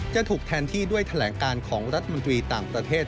จะถูกแทนที่ด้วยแถลงการของรัฐมนตรีต่างประเทศ